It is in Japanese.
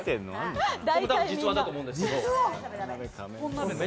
実話だと思うんです。